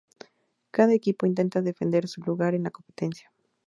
Cada equipo intenta defender su lugar en la competencia.